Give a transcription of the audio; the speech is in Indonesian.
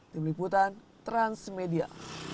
di berikutan transmedia